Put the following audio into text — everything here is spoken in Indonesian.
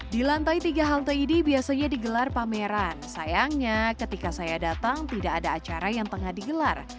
di lantai tiga halte ini biasanya digelar pameran sayangnya ketika saya datang tidak ada acara yang tengah digelar